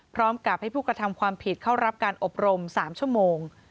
พร้อมกับให้ผู้กระทำความผิดเข้ารับการอบรม๓ชั่วโมง